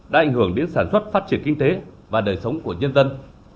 đã ảnh hưởng đến sản xuất phát triển kinh tế và đời sống của nhân dân